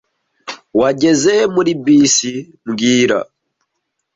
Wageze he muri bisi mbwira